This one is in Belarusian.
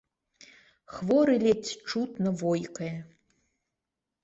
Хворы ледзь чутна войкае.